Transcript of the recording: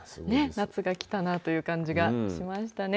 夏が来たなという感じがしましたね。